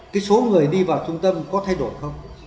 cái số người đi vào trung tâm có thay đổi không